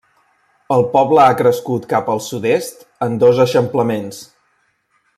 El poble ha crescut cap al sud-est, en dos eixamplaments.